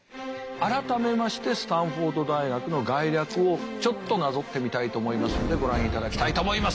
改めましてスタンフォード大学の概略をちょっとなぞってみたいと思いますんでご覧いただきたいと思います。